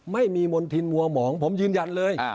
ไม่มีมณฑินมัวหมองผมยืนยันเลย